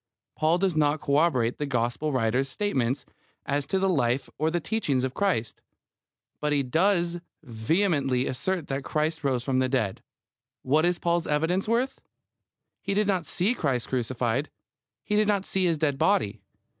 Paul does not corroborate the Gospel writers' statements as to the life or the teachings of Christ; but he does vehemently assert that Christ rose from the dead. What is Paul's evidence worth? He did not see Christ crucified. He did not see His dead body.